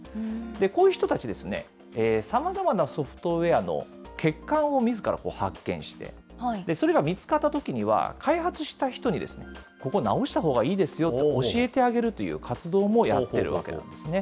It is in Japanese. こういう人たち、さまざまなソフトウエアの欠陥をみずから発見して、それが見つかったときには、開発した人に、ここ直したほうがいいですよと教えてあげるという活動もやっているわけなんですね。